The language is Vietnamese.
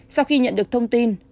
sau khi nhận được thông tin